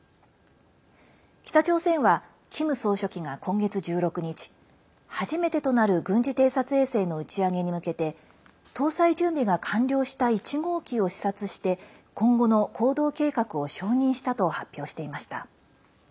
北朝鮮はキム総書記が今月１６日初めてとなる軍事偵察衛星の打ち上げに向けて搭載準備が完了した１号機を視察して今後の行動計画を承認したと発表していました。